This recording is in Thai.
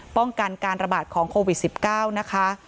ป้องกันการระบาดของโควิด๑๙นะคะ